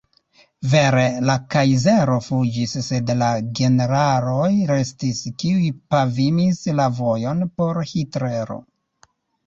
Vere, la kajzero fuĝis sed la generaloj restis, kiuj pavimis la vojon por Hitlero.